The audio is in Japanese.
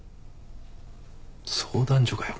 相談所かよ